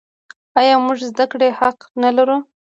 آیا موږ د زده کړې حق نلرو؟